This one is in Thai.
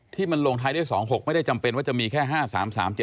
ที่มันลงท้ายได้๒๖ไม่ได้จำเป็นว่าจะมีแค่๕๓๓๗